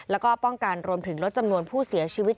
แล้วก็ป้องกันรวมถึงลดจำนวนผู้เสียชีวิต